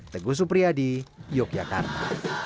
teguh supriyadi yogyakarta